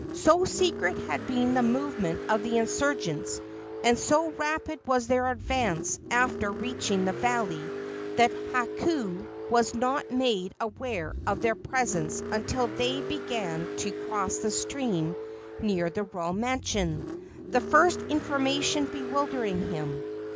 So secret had been the movement of the insurgents, and so rapid was their advance after reaching the valley, that Hakau was not made aware of their presence until they began to cross the stream near the royal mansion. The first information bewildered him.